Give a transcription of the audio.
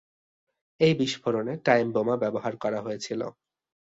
এই বিস্ফোরণে টাইম বোমা ব্যবহার করা হয়েছিল।